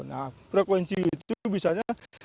nah frekuensi itu bisa